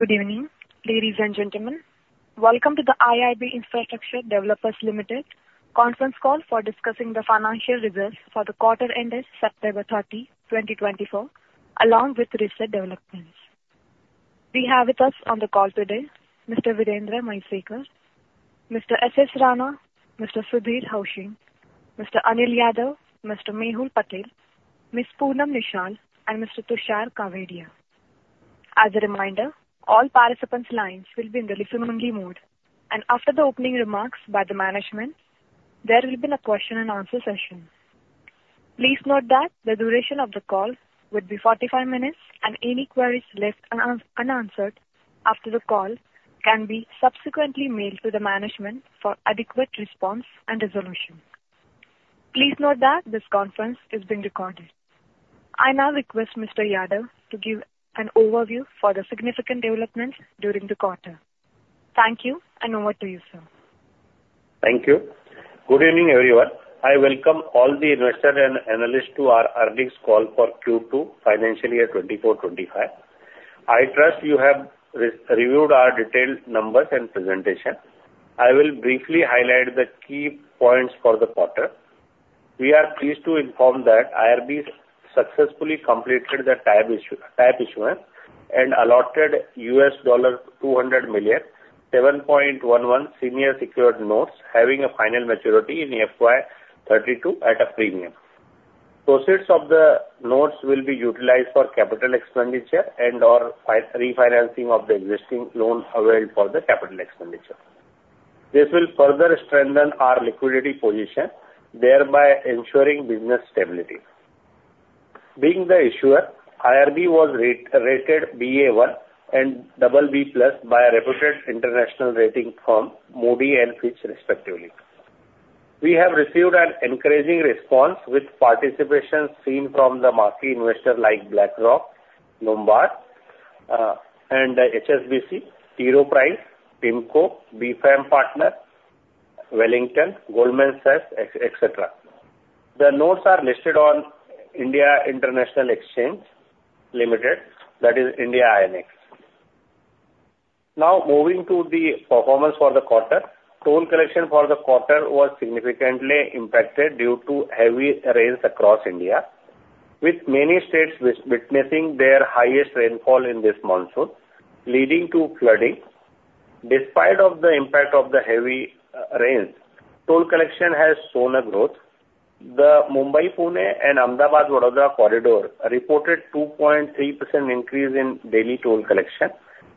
Good evening, ladies and gentlemen. Welcome to the IRB Infrastructure Developers Limited conference call for discussing the financial results for the quarter-ended September 30, 2024, along with recent developments. We have with us on the call today Mr. Virendra Mhaiskar, Mr. S. S. Rana, Mr. Sudhir Hoshing, Mr. Anil Yadav, Mr. Mehul Patel, Ms. Poonam Nishal, and Mr. Tushar Kawedia. As a reminder, all participants' lines will be in the listening mode, and after the opening remarks by the management, there will be a question-and-answer session. Please note that the duration of the call will be 45 minutes, and any queries left unanswered after the call can be subsequently mailed to the management for adequate response and resolution. Please note that this conference is being recorded. I now request Mr. Yadav to give an overview for the significant developments during the quarter. Thank you, and over to you, sir. Thank you. Good evening, everyone. I welcome all the investors and analysts to our earnings call for Q2, financial year 24-25. I trust you have reviewed our detailed numbers and presentation. I will briefly highlight the key points for the quarter. We are pleased to inform that IRB successfully completed the tap issuance and allotted $200 million, 7.11% Senior Secured Notes having a final maturity in FY32 at a premium. Proceeds of the notes will be utilized for capital expenditure and/or refinancing of the existing loan available for the capital expenditure. This will further strengthen our liquidity position, thereby ensuring business stability. Being the issuer, IRB was rated Ba1 and BB+ by a reputed international rating firm, Moody's and Fitch respectively. We have received an encouraging response with participation seen from the market investors like BlackRock, Lombard Odier, and HSBC, T. Rowe Price, PIMCO, BFM Partners, Wellington, Goldman Sachs, etc. The notes are listed on India International Exchange Limited, that is India INX. Now, moving to the performance for the quarter, toll collection for the quarter was significantly impacted due to heavy rains across India, with many states witnessing their highest rainfall in this monsoon, leading to flooding. Despite the impact of the heavy rains, toll collection has shown a growth. The Mumbai-Pune and Ahmedabad-Vadodara Corridor reported a 2.3% increase in daily toll collection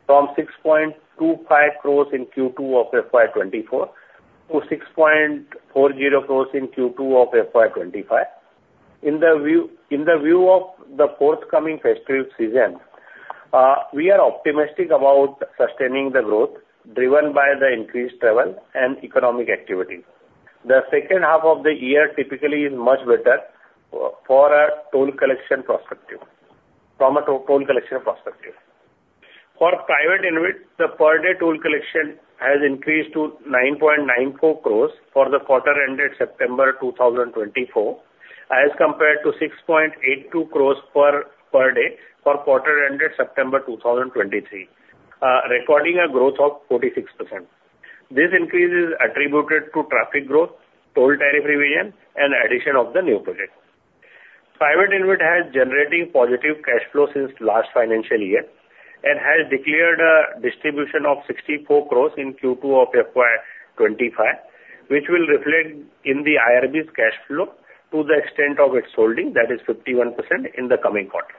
from 6.25 crores in Q2 of FY 2024 to 6.40 crores in Q2 of FY 2025. In view of the forthcoming festive season, we are optimistic about sustaining the growth driven by the increased travel and economic activity. The second half of the year typically is much better for a toll collection perspective. From a toll collection perspective, for private InvITs, the per-day toll collection has increased to 9.94 crores for the quarter-ended September 2024, as compared to 6.82 crores per day for quarter-ended September 2023, recording a growth of 46%. This increase is attributed to traffic growth, toll tariff revision, and addition of the new project. Private InvIT has been generating positive cash flow since last financial year and has declared a distribution of 64 crores in Q2 of FY 25, which will reflect in the IRB's cash flow to the extent of its holding, that is 51% in the coming quarter.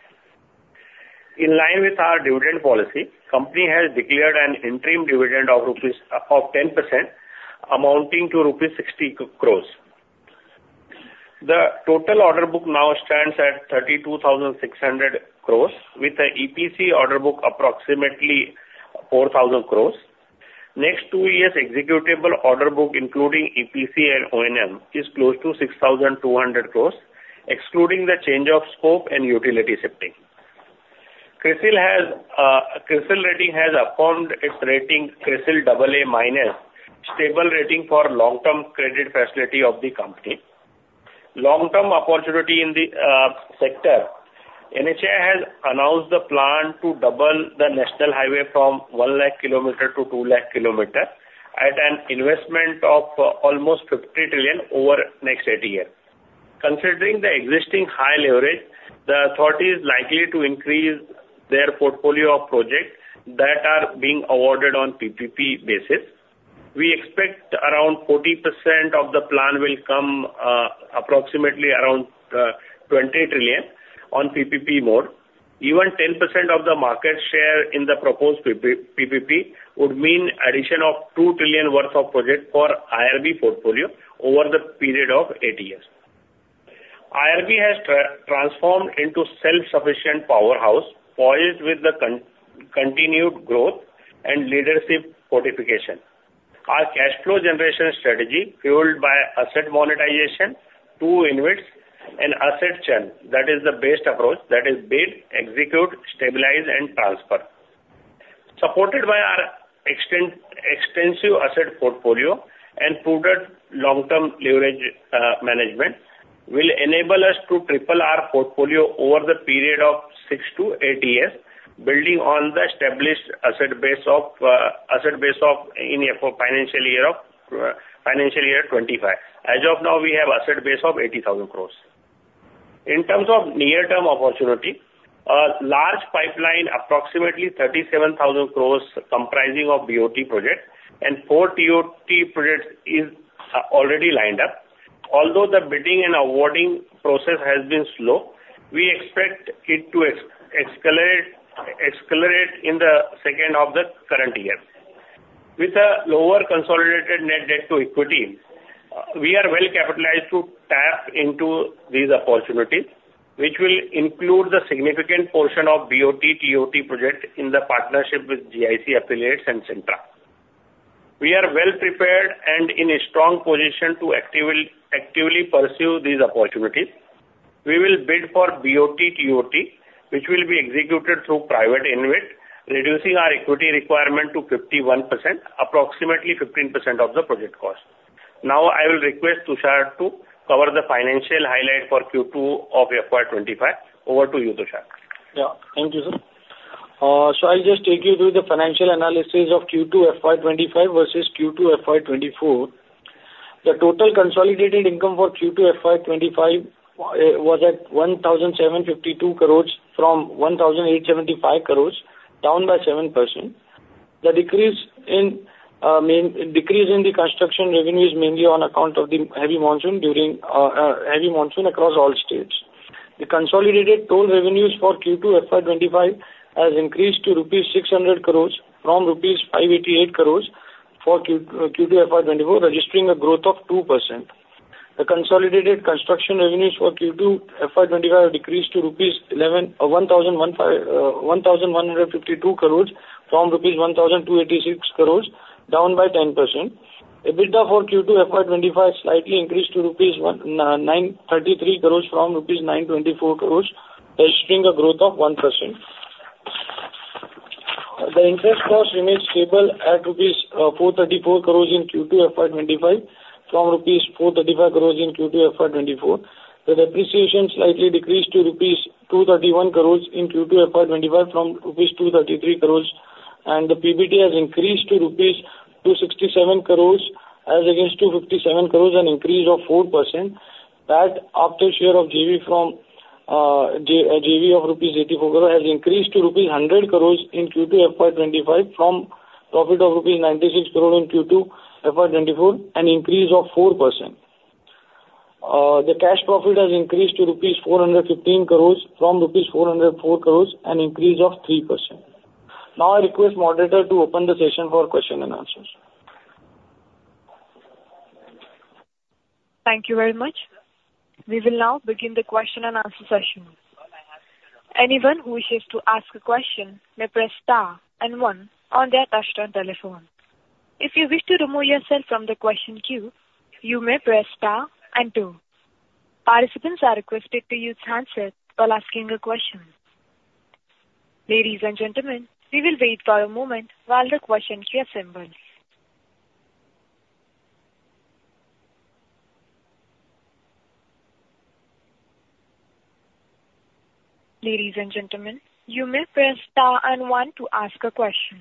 In line with our dividend policy, the company has declared an interim dividend of 10% amounting to rupees 60 crores. The total order book now stands at 32,600 crores, with the EPC order book approximately 4,000 crores. Next two years' executable order book, including EPC and O&M, is close to 6,200 crores, excluding the change of scope and utility shifting. CRISIL rating has affirmed its rating CRISIL AA minus stable rating for long-term credit facility of the company. Long-term opportunity in the sector, NHAI has announced the plan to double the national highway from 1 lakh kilometers to 2 lakh kilometers at an investment of almost 50 trillion over the next 8 years. Considering the existing high leverage, the authority is likely to increase their portfolio of projects that are being awarded on PPP basis. We expect around 40% of the plan will come approximately around 20 trillion on PPP mode. Even 10% of the market share in the proposed PPP would mean an addition of 2 trillion worth of projects for IRB portfolio over the period of 80 years. IRB has transformed into a self-sufficient powerhouse, poised with the continued growth and leadership fortification. Our cash flow generation strategy, fueled by asset monetization, two InvITs, and asset churn, that is the best approach that is built, executed, stabilized, and transferred. Supported by our extensive asset portfolio and prudent long-term leverage management, it will enable us to triple our portfolio over the period of 6 to 80 years, building on the established asset base in the financial year 25. As of now, we have an asset base of 80,000 crores. In terms of near-term opportunity, a large pipeline of approximately 37,000 crores comprising of BOT projects and four TOT projects is already lined up. Although the bidding and awarding process has been slow, we expect it to accelerate in the second half of the current year. With a lower consolidated net debt to equity, we are well capitalized to tap into these opportunities, which will include the significant portion of BOT/TOT projects in the partnership with GIC affiliates and Cintra. We are well prepared and in a strong position to actively pursue these opportunities. We will bid for BOT/TOT, which will be executed through private InvIT, reducing our equity requirement to 51%, approximately 15% of the project cost. Now, I will request Tushar to cover the financial highlight for Q2 of FY 25. Over to you, Tushar. Yeah, thank you, sir. So I'll just take you through the financial analysis of Q2 FY 2025 versus Q2 FY 2024. The total consolidated income for Q2 FY 2025 was at 1,752 crores from 1,875 crores, down by 7%. The decrease in the construction revenue is mainly on account of the heavy monsoon across all states. The consolidated toll revenues for Q2 FY 2025 have increased to 600 crores rupees from 588 crores rupees for Q2 FY 2024, registering a growth of 2%. The consolidated construction revenues for Q2 FY 2025 have decreased to INR 1,152 crores from INR 1,286 crores, down by 10%. EBITDA for Q2 FY 2025 slightly increased to INR 933 crores from INR 924 crores, registering a growth of 1%. The interest cost remains stable at INR 434 crores in Q2 FY 2025 from INR 435 crores in Q2 FY 2024. The depreciation slightly decreased to INR 231 crores in Q2 FY 25 from INR 233 crores, and the PBT has increased to INR 267 crores as against INR 257 crores, an increase of 4%. That after share of JV from JV of rupees 84 crores has increased to rupees 100 crores in Q2 FY 25 from profit of rupees 96 crores in Q2 FY 24, an increase of 4%. The cash profit has increased to rupees 415 crores from rupees 404 crores, an increase of 3%. Now, I request the moderator to open the session for questions and answers. Thank you very much. We will now begin the question and answer session. Anyone who wishes to ask a question may press star and one on their touch-tone telephone. If you wish to remove yourself from the question queue, you may press star and two. Participants are requested to use handsets while asking a question. Ladies and gentlemen, we will wait for a moment while the question queue assembles. Ladies and gentlemen, you may press star and one to ask a question.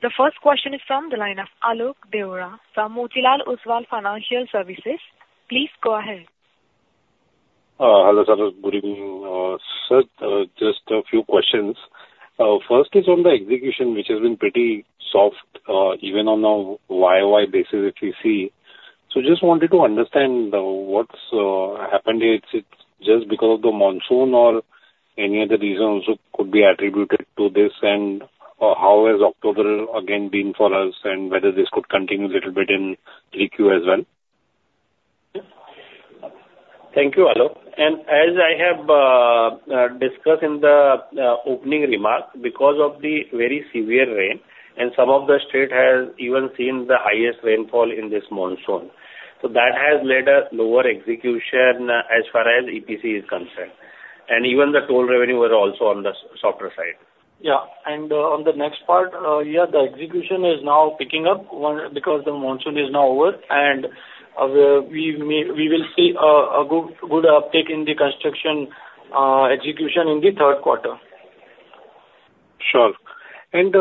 The first question is from the line of Alok Deora from Motilal Oswal Financial Services. Please go ahead. Hello, sir. Good evening, sir. Just a few questions. First is on the execution, which has been pretty soft, even on a YoY basis, if you see. So just wanted to understand what's happened here. It's just because of the monsoon or any other reason also could be attributed to this? And how has October again been for us, and whether this could continue a little bit in Q2 as well? Thank you, Alok. And as I have discussed in the opening remark, because of the very severe rain, some of the states have even seen the highest rainfall in this monsoon. So that has led to lower execution as far as EPC is concerned. And even the toll revenues were also on the softer side. Yeah, and on the next part, yeah, the execution is now picking up because the monsoon is now over, and we will see a good uptake in the construction execution in the third quarter. Sure. And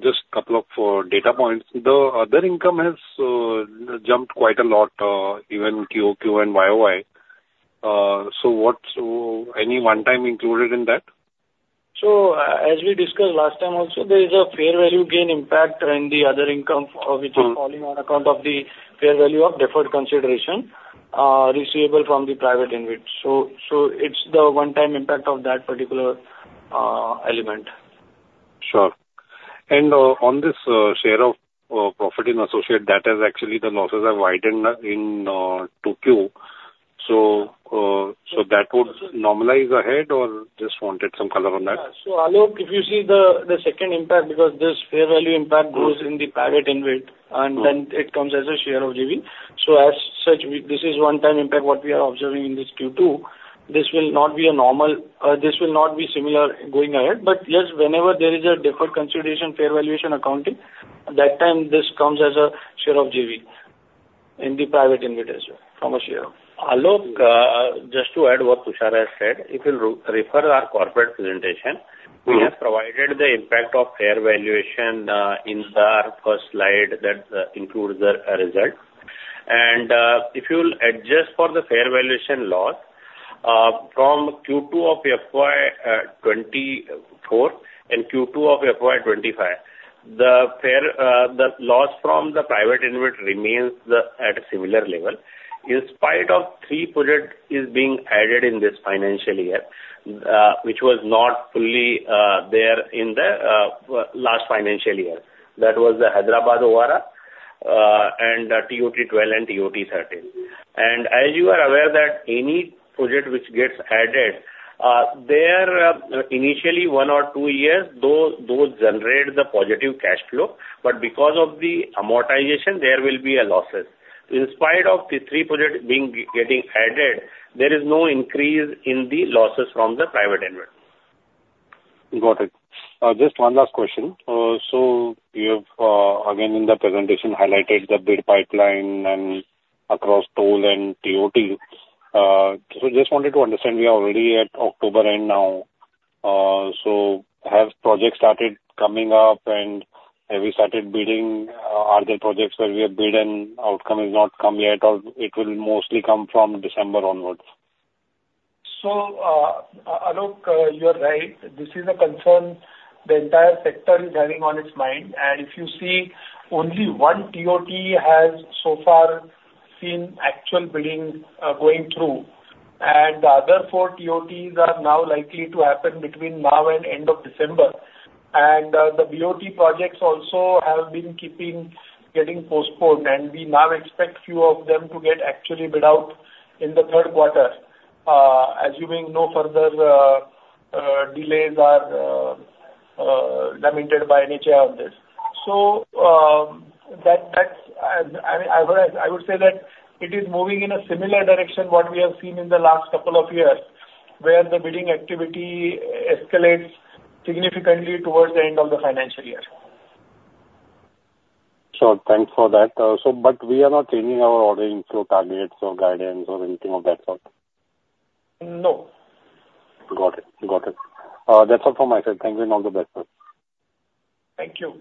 just a couple of data points. The other income has jumped quite a lot, even QOQ and YOY. So any one-time included in that? So as we discussed last time also, there is a Fair Value Gain impact in the other income, which is falling on account of the fair value of Deferred Consideration receivable from the private InvIT. So it's the one-time impact of that particular element. Sure. And on this share of profit from associate, that is actually the losses have widened in Q2. So that would normalize ahead, or just wanted some color on that? Yeah. So Alok, if you see the second impact, because this fair value impact goes in the private InvIT, and then it comes as a share of JV. So as such, this is one-time impact what we are observing in this Q2. This will not be a normal. This will not be similar going ahead. But yes, whenever there is a deferred consideration, fair valuation accounting, that time this comes as a share of JV in the private InvIT as well from a share of. Alok, just to add what Tushar has said, if you'll refer to our corporate presentation, we have provided the impact of fair value in the first slide that includes the result. If you'll adjust for the fair value loss from Q2 of FY 24 and Q2 of FY 25, the loss from the private InvIT remains at a similar level in spite of three projects being added in this financial year, which was not fully there in the last financial year. That was the Hyderabad ORR and TOT 12 and TOT 13. As you are aware, any project which gets added, they are initially one or two years, those generate the positive cash flow. Because of the amortization, there will be losses. In spite of the three projects being added, there is no increase in the losses from the private InvIT. Got it. Just one last question. So you have, again, in the presentation, highlighted the bid pipeline and across toll and TOT. So just wanted to understand, we are already at October end now. So have projects started coming up, and have we started bidding? Are there projects where we have bid and outcome has not come yet, or it will mostly come from December onwards? So Alok, you are right. This is a concern the entire sector is having on its mind. And if you see, only one TOT has so far seen actual bidding going through. And the other four TOTs are now likely to happen between now and end of December. And the BOT projects also have been getting postponed, and we now expect a few of them to get actually bid out in the third quarter, assuming no further delays are limited by NHAI on this. So I would say that it is moving in a similar direction to what we have seen in the last couple of years, where the bidding activity escalates significantly towards the end of the financial year. Sure. Thanks for that, but we are not changing our order book targets or guidance or anything of that sort? No. Got it. Got it. That's all from my side. Thank you. And all the best, sir. Thank you.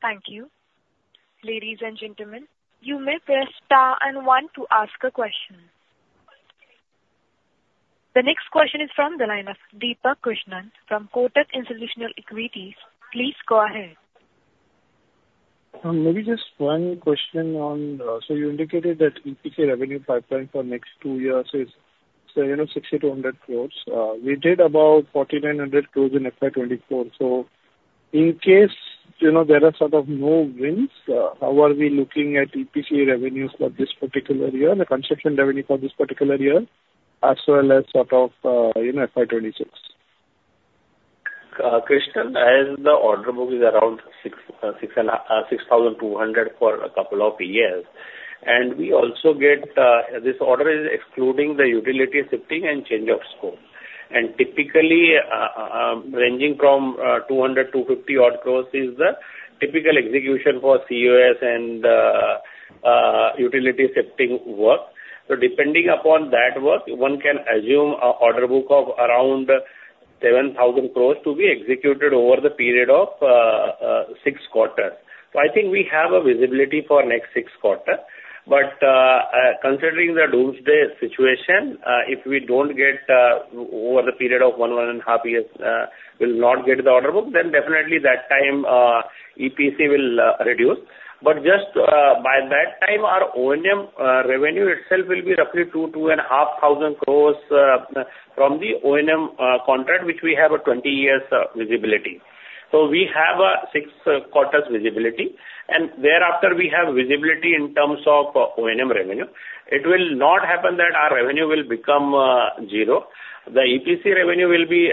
Thank you. Ladies and gentlemen, you may press star and one to ask a question. The next question is from the line of Deepak Krishnan from Kotak Institutional Equities. Please go ahead. Maybe just one question on. So you indicated that EPC revenue pipeline for the next two years is 60-100 crores. We did about 4,900 crores in FY 2024. So in case there are sort of no wins, how are we looking at EPC revenues for this particular year, the construction revenue for this particular year, as well as sort of FY 2026? Krishnan, as the order book is around 6,200 crores for a couple of years. And we also get this order is excluding the utility shifting and change of scope. And typically, ranging from 200-50-odd crores is the typical execution for COS and utility shifting work. So depending upon that work, one can assume an order book of around 7,000 crores to be executed over the period of six quarters. I think we have a visibility for the next six quarters. But considering the doomsday situation, if we don't get over the period of one, one-and-a-half years, we'll not get the order book, then definitely that time EPC will reduce. But just by that time, our O&M revenue itself will be roughly 2,000-2,500 crores from the O&M contract, which we have a 20-year visibility. We have a six-quarters visibility. Thereafter, we have visibility in terms of O&M revenue. It will not happen that our revenue will become zero. The EPC revenue will be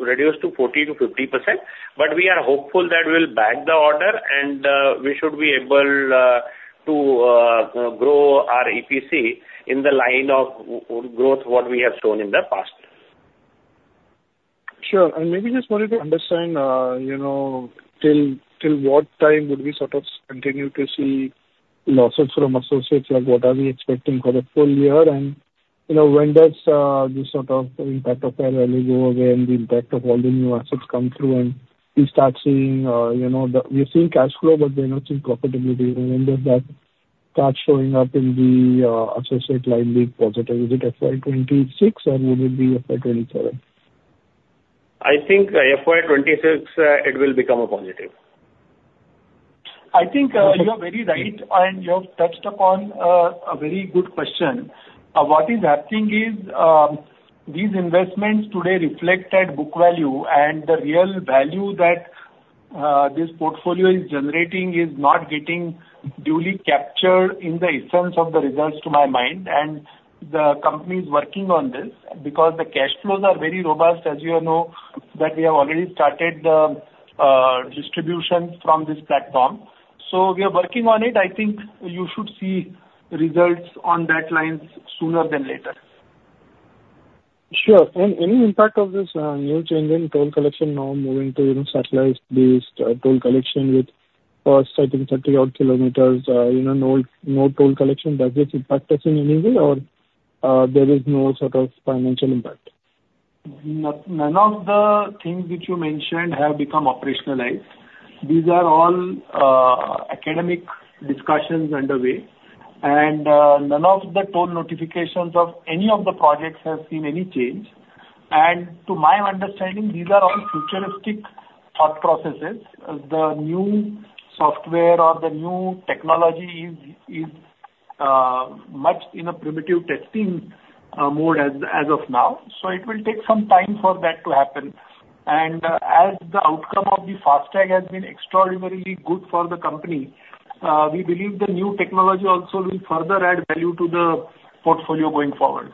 reduced to 40%-50%. But we are hopeful that we'll bag the order, and we should be able to grow our EPC in line with the growth that we have shown in the past. Sure. And maybe just wanted to understand till what time would we sort of continue to see losses from associates? What are we expecting for the full year? And when does this sort of impact of fair value go away, and the impact of all the new assets come through, and we start seeing cash flow, but we're not seeing profitability? When does that start showing up in the associate line being positive? Is it FY 2026, or would it be FY 2027? I think FY 2026, it will become a positive. I think you are very right, and you have touched upon a very good question. What is happening is these investments today reflect at book value, and the real value that this portfolio is generating is not getting duly captured in the essence of the results to my mind, and the company is working on this because the cash flows are very robust, as you know that we have already started the distribution from this platform, so we are working on it. I think you should see results along those lines sooner rather than later. Sure. And any impact of this new change in toll collection now moving to satellite-based toll collection with first setting 30 odd kilometers, no toll collection, does this impact us in any way, or there is no sort of financial impact? None of the things which you mentioned have become operationalized. These are all academic discussions underway. And none of the toll notifications of any of the projects have seen any change. And to my understanding, these are all futuristic thought processes. The new software or the new technology is much in a primitive testing mode as of now. So it will take some time for that to happen. And as the outcome of the FASTag has been extraordinarily good for the company, we believe the new technology also will further add value to the portfolio going forward.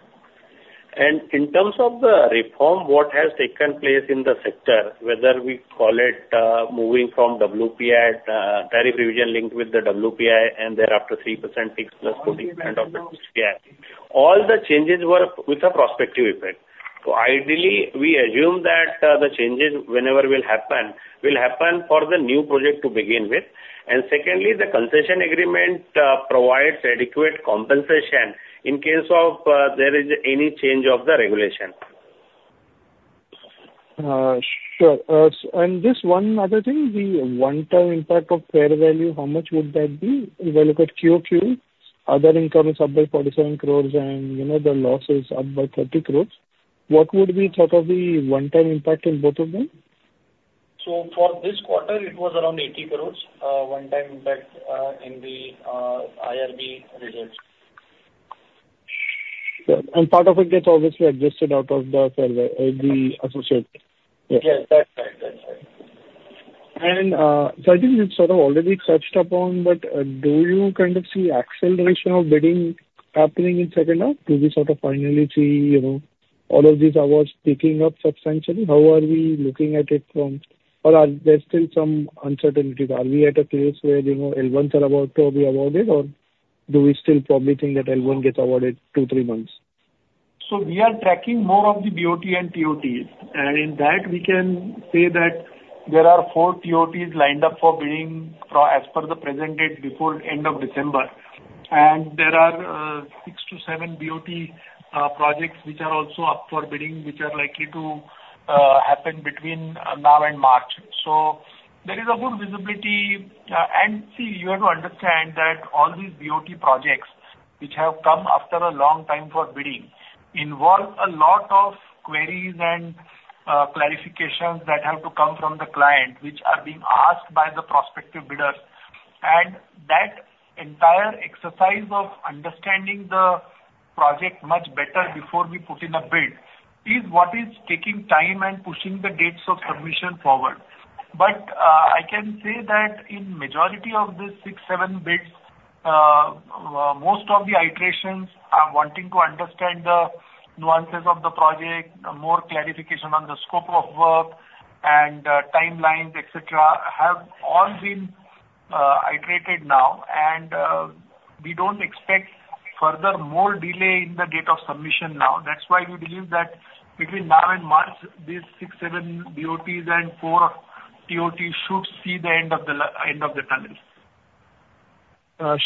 And in terms of the reform, what has taken place in the sector, whether we call it moving from WPI, tariff revision linked with the WPI, and thereafter 3% fixed plus 40% of the HPI, all the changes were with a prospective effect. So ideally, we assume that the changes whenever will happen will happen for the new project to begin with. And secondly, the concession agreement provides adequate compensation in case of there is any change of the regulation. Sure. And just one other thing, the one-time impact of fair value, how much would that be? If I look at QOQ, other income is up by 47 crores, and the loss is up by 30 crores. What would be sort of the one-time impact in both of them? For this quarter, it was around 80 crores one-time impact in the IRB results. Part of it gets obviously adjusted out of the associate. Yes, that's right. That's right. And so I think we've sort of already touched upon, but do you kind of see acceleration of bidding happening in second half? Do we sort of finally see all of these awards picking up substantially? How are we looking at it from, or are there still some uncertainties? Are we at a place where L1s are about to be awarded, or do we still probably think that L1 gets awarded two, three months? So we are tracking more of the BOT and TOTs. And in that, we can say that there are four TOTs lined up for bidding as per the present date before the end of December. And there are six to seven BOT projects which are also up for bidding, which are likely to happen between now and March. So there is a good visibility. And see, you have to understand that all these BOT projects, which have come after a long time for bidding, involve a lot of queries and clarifications that have to come from the client, which are being asked by the prospective bidders. And that entire exercise of understanding the project much better before we put in a bid is what is taking time and pushing the dates of submission forward. But I can say that in the majority of these six, seven bids, most of the iterations are wanting to understand the nuances of the project, more clarification on the scope of work and timelines, etc., have all been iterated now. And we don't expect further more delay in the date of submission now. That's why we believe that between now and March, these six, seven BOTs and four TOTs should see the end of the tunnel.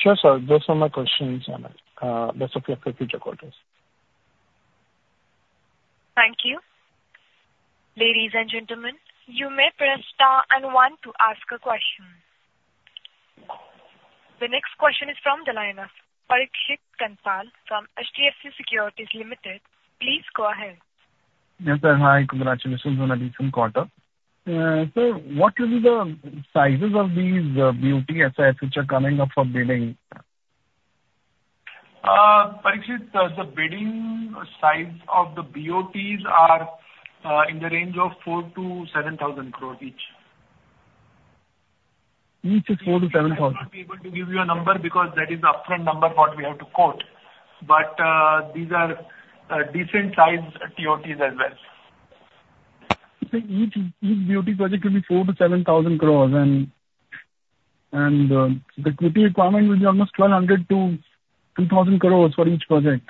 Sure, sir. Those are my questions. That's okay for future quarters. Thank you. Ladies and gentlemen, you may press star and one to ask a question. The next question is from the line of Parikshit Kandpal from HDFC Securities Limited. Please go ahead. Yes, sir. Hi. Congratulations on a decent quarter. So what will be the sizes of these BOTs, SIFs, which are coming up for bidding? Parikshit, the bidding size of the BOTs are in the range of 4,000- 7,000 crores each. Each is 4,000- 7,000? I'm not able to give you a number because that is the upfront number what we have to quote, but these are decent-sized TOTs as well. Each BOT project will be 4,000-7,000 crores, and the equity requirement will be almost 1,200-2,000 crores for each project.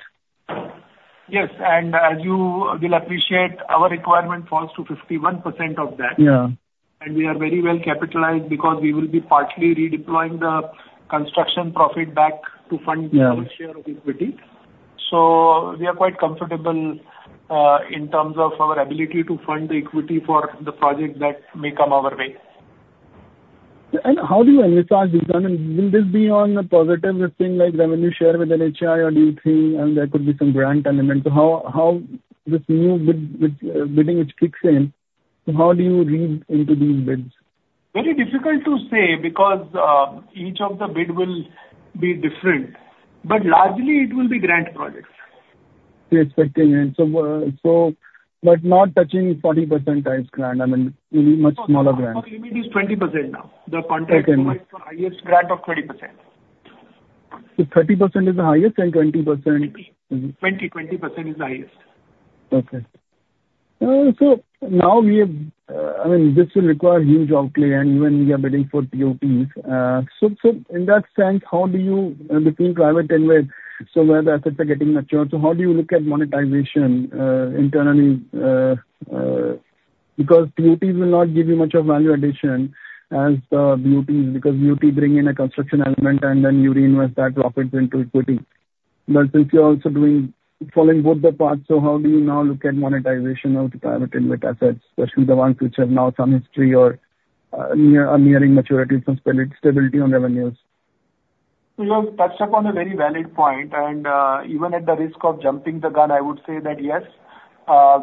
Yes. And as you will appreciate, our requirement falls to 51% of that. And we are very well capitalized because we will be partially redeploying the construction profit back to fund the share of equity. So we are quite comfortable in terms of our ability to fund the equity for the projects that may come our way. How do you analyze this? Will this be on a positive thing like revenue share with NHAI, or do you think there could be some grant element? How does this new bidding which kicks in? How do you read into these bids? Very difficult to say because each of the bids will be different. But largely, it will be grant projects. You're expecting it. But not touching 40% as grant. I mean, it will be much smaller grants. The quota limit is 20% now. The contract is going for highest grant of 20%. So 30% is the highest and 20%? 20. 20% is the highest. Okay. So now we have, I mean, this will require huge outlay, and even we are bidding for TOTs. So in that sense, how do you, between private and so where the assets are getting matured, so how do you look at monetization internally? Because TOTs will not give you much of value addition as the BOTs because BOTs bring in a construction element, and then you reinvest that profit into equity. But since you're also following both the parts, so how do you now look at monetization of the private and with assets, especially the ones which have now some history or are nearing maturity from stability on revenues? You have touched upon a very valid point. And even at the risk of jumping the gun, I would say that yes,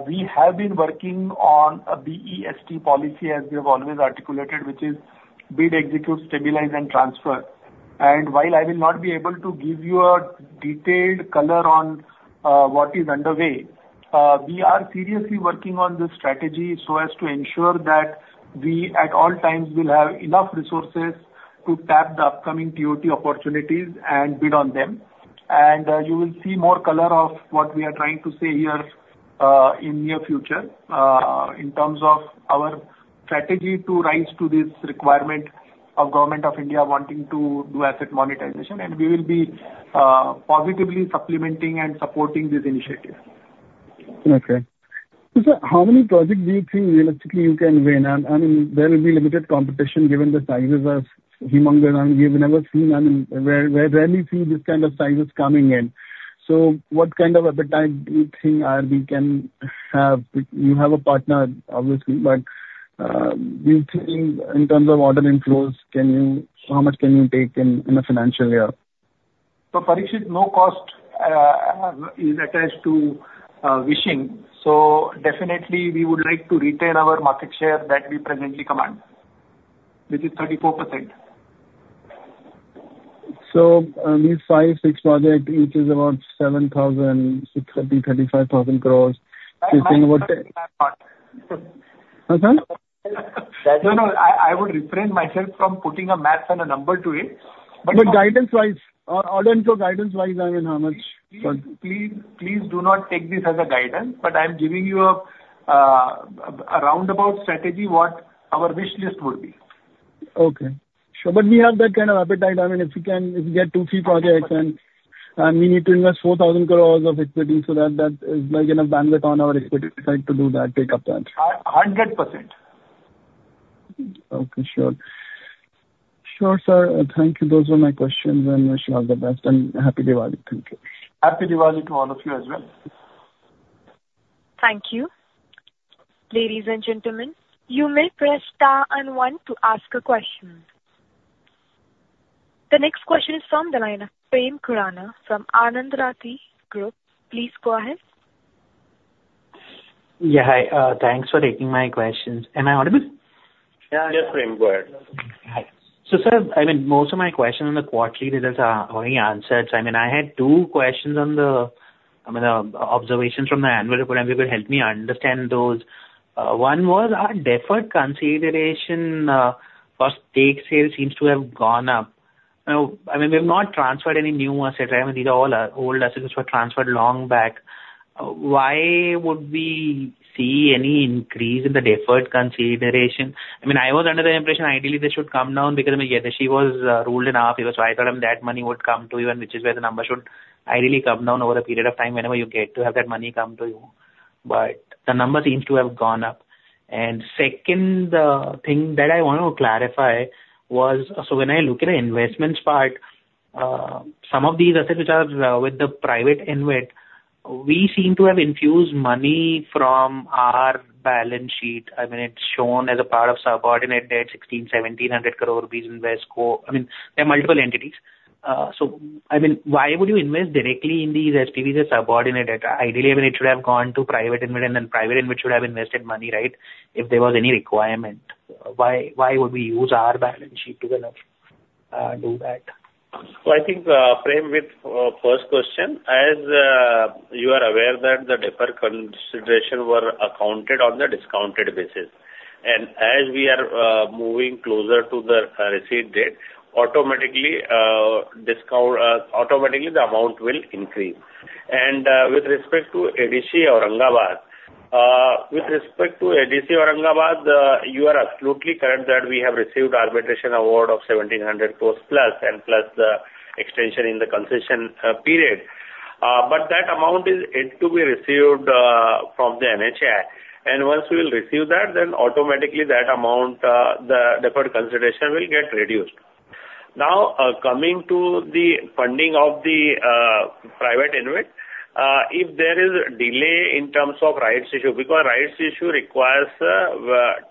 we have been working on a BEST policy, as we have always articulated, which is bid-execute, stabilize, and transfer. And while I will not be able to give you a detailed color on what is underway, we are seriously working on this strategy so as to ensure that we at all times will have enough resources to tap the upcoming TOT opportunities and bid on them. And you will see more color of what we are trying to say here in the near future in terms of our strategy to rise to this requirement of Government of India wanting to do asset monetization. And we will be positively supplementing and supporting this initiative. Okay. So how many projects do you think realistically you can win? I mean, there will be limited competition given the sizes of Himangaram. We have never seen, I mean, rarely see these kinds of sizes coming in. So what kind of appetite do you think we can have? You have a partner, obviously, but do you think in terms of order inflows, how much can you take in a financial year? So Parikshit, no cost is attached to wishing. So definitely, we would like to retain our market share that we presently command, which is 34%. So these five, six projects, each is about 7,000, 35,000 crores. You think what? No, no. I would refrain myself from putting a math and a number to it. But guidance-wise, order inflow guidance-wise, I mean, how much? Please do not take this as a guidance, but I'm giving you a roundabout strategy what our wish list would be. Okay. Sure. But we have that kind of appetite. I mean, if we get two or three projects and we need to invest 4,000 crores of equity, so that is enough bandwidth on our equity side to do that, take up that. 100%. Okay. Sure. Sure, sir. Thank you. Those were my questions. And wish you all the best. And happy Diwali. Thank you. Happy Diwali to all of you as well. Thank you. Ladies and gentlemen, you may press star and one to ask a question. The next question is from the line of Prem Khurana from Anand Rathi Group. Please go ahead. Yeah. Hi. Thanks for taking my questions. Am I audible? Yes, Prem. Go ahead. So sir, I mean, most of my questions on the quarterly results are already answered. I mean, I had two questions on the, I mean, observations from the annual report. If you could help me understand those. One was our deferred consideration for stake sales seems to have gone up. I mean, we have not transferred any new assets. I mean, these are all old assets which were transferred long back. Why would we see any increase in the deferred consideration? I mean, I was under the impression ideally they should come down because, I mean, Yedeshi was ruled in half, so I thought, I mean, that money would come to you, and which is where the number should ideally come down over a period of time whenever you get to have that money come to you. But the number seems to have gone up. Second, the thing that I want to clarify was, so when I look at the investments part, some of these assets which are with the private InvIT, we seem to have infused money from our balance sheet. I mean, it's shown as a part of subordinate debt, 1,600-1,700 crore rupees invested. I mean, there are multiple entities. So I mean, why would you invest directly in these SPVs that are subordinate debt? Ideally, I mean, it should have gone to private InvIT, and then private InvIT should have invested money, right, if there was any requirement. Why would we use our balance sheet to kind of do that? So I think Prem, with first question, as you are aware that the deferred consideration were accounted on the discounted basis. And as we are moving closer to the receipt date, automatically the amount will increase. And with respect to Yedeshi Aurangabad, with respect to Yedeshi Aurangabad, you are absolutely correct that we have received arbitration award of 1,700 crores plus and plus the extension in the concession period. But that amount is yet to be received from the NHAI. And once we will receive that, then automatically that amount, the deferred consideration will get reduced. Now, coming to the funding of the private InvIT, if there is a delay in terms of rights issue, because rights issue requires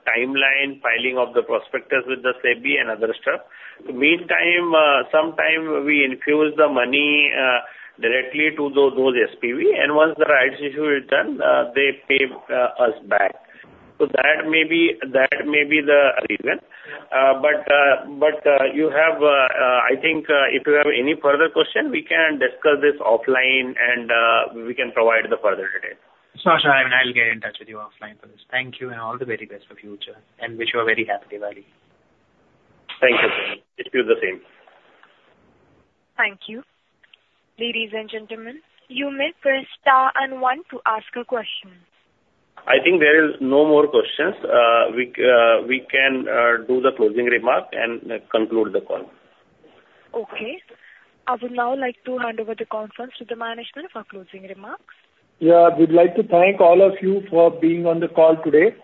timely filing of the prospectus with the SEBI and other stuff, in the meantime, sometimes we infuse the money directly to those SPV, and once the rights issue is done, they pay us back. So that may be the reason. But if you have, I think if you have any further question, we can discuss this offline, and we can provide further details. Sure, sure. I mean, I'll get in touch with you offline for this. Thank you and all the very best for future, and wish you a very happy Diwali. Thank you. You too. Thank you. Ladies and gentlemen, you may press star and one to ask a question. I think there are no more questions. We can do the closing remark and conclude the call. Okay. I would now like to hand over the conference to the management for closing remarks. Yeah. We'd like to thank all of you for being on the call today.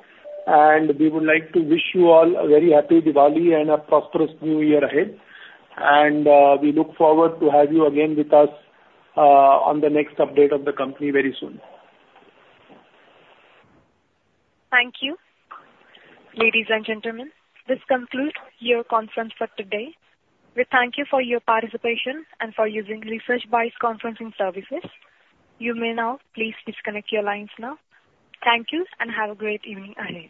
And we would like to wish you all a very happy Diwali and a prosperous new year ahead. And we look forward to have you again with us on the next update of the company very soon. Thank you. Ladies and gentlemen, this concludes your conference for today. We thank you for your participation and for using ResearchWise conferencing services. You may now please disconnect your lines now. Thank you and have a great evening.